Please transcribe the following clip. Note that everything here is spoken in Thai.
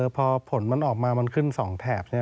พอผลมันออกมามันขึ้น๒แถบ